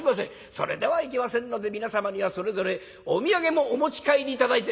それではいけませんので皆様にはそれぞれお土産もお持ち帰り頂いて」。